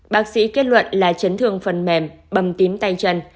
bác sĩ kết luận là chấn thương phần mềm bầm tím tay chân